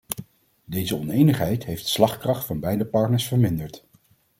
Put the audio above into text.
Deze onenigheid heeft de slagkracht van beide partners verminderd.